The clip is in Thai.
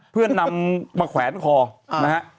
เพื่อนำมาแขวนคอนะฮะ